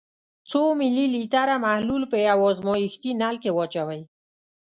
څو ملي لیتره محلول په یو ازمیښتي نل کې واچوئ.